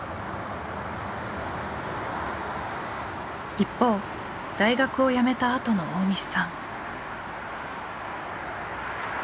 一方大学を辞めたあとの大西さん。